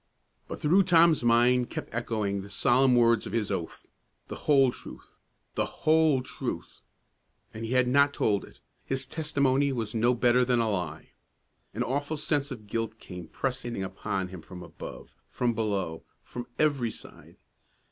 But through Tom's mind kept echoing the solemn words of his oath: "The whole truth; the whole truth." And he had not told it; his testimony was no better than a lie. An awful sense of guilt came pressing in upon him from above, from below, from every side.